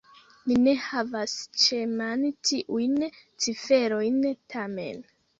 Mi ne havas ĉemane tiujn ciferojn, tamen.